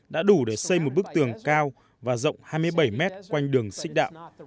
đã đủ để xây một bức tường cao và rộng hai mươi bảy mét quanh đường xích đạo